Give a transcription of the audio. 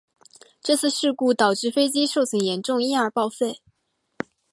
这次事故导致飞机受损严重因而报废。